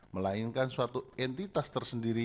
melainkan suatu entitas tersendiri